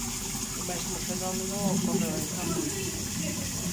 O mesmo fenómeno ocorreu en Capri.